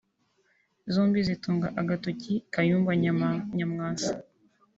zombi zitunga agatoki Kayumba Nyamwasa